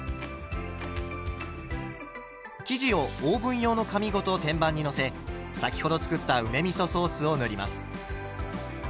生地をオーブン用の紙ごと天板にのせ先ほど作った梅みそソースを塗ります。